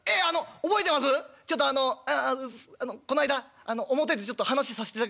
ちょっとあのこの間表でちょっと話さしていただきました